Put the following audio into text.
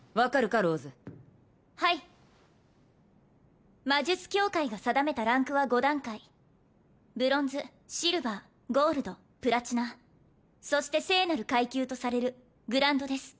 ローズはい魔術協会が定めたランクは５段階ブロンズシルバーゴールドプラチナそして聖なる階級とされるグランドです